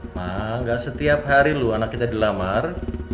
ma gak setiap hari lu anak kita dilamar